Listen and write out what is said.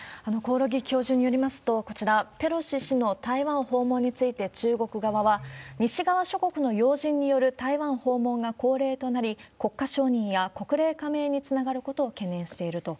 興梠教授によりますと、こちら、ペロシ氏の台湾訪問について中国側は、西側諸国の要人による台湾訪問が恒例となり、国家承認や国連加盟につながることを懸念していると。